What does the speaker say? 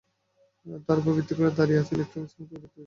তার ওপর ভিত্তি করেই দাঁড়িয়ে আছে ইলেকট্রনিকসের মতো প্রযুক্তিবিদ্যা।